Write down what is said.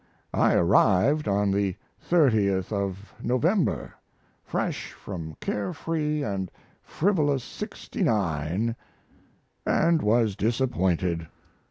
I arrived on the thirtieth of November, fresh from carefree & frivolous 69, & was disappointed.